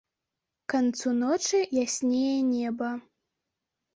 К канцу ночы яснее неба.